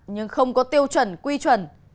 nhưng không có tiêu chuẩn quy chuẩn